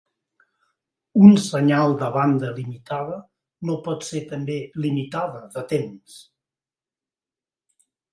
Un senyal de banda limitada no pot ser també limitada de temps.